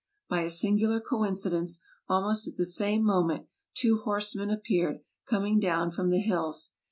By a singular coincidence, almost at the same moment two horsemen appeared coming down from the hills.